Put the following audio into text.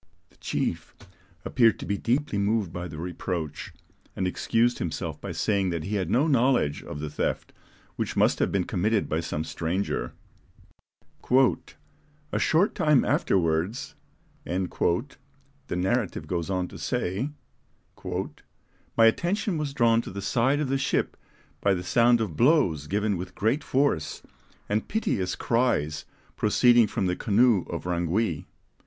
The chief appeared to be deeply moved by the reproach, and excused himself by saying that he had no knowledge of the theft, which must have been committed by some stranger. "A short time afterwards," the narrative goes on to say, "my attention was drawn to the side of the ship by the sound of blows given with great force, and piteous cries proceeding from the canoe of Rangui.